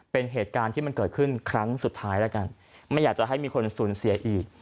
เป็นเหตุการณ์ที่มันเกิดขึ้นครั้งสุดท้ายแล้วกันไม่อยากจะให้มีคนสูญเสียอีก